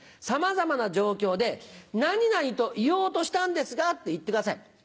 さまざまな状況で「何々と言おうとしたんですが」って言ってください。